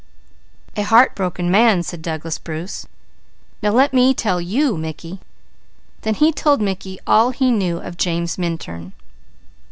"A heartbroken man," said Douglas Bruce. "Now let me tell you, Mickey." Then he told Mickey all he knew of James Minturn.